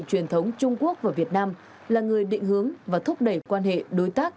truyền thống trung quốc và việt nam là người định hướng và thúc đẩy quan hệ đối tác